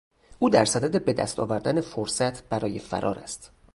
او در صدد بهدست آوردن فرصت برای فرار است.